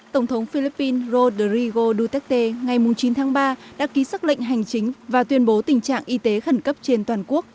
tổng thống philippines rodrigo duterte ngày chín tháng ba đã ký xác lệnh hành chính và tuyên bố tình trạng y tế khẩn cấp trên toàn quốc